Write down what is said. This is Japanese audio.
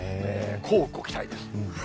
こうご期待です。